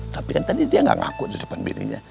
tapi kan tadi dia nggak ngaku di depan bininya